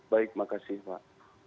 baik makasih pak